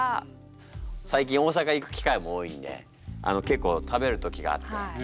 最近大阪行く機会も多いんで結構食べる時があって。